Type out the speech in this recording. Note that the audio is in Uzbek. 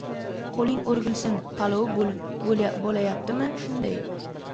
— Qo‘ling o‘rgilsin palov bo‘layapti! Shunday.